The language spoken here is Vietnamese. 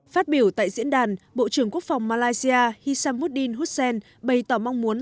phát biểu tại diễn đàn bộ trưởng quốc phòng malaysia hisham moudin hussein bày tỏ mong muốn